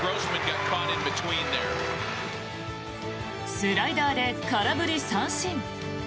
スライダーで空振り三振。